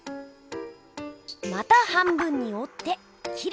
また半分におって切る。